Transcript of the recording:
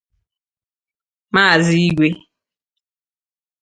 Maazị Igwe